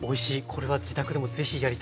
これは自宅でも是非やりたい。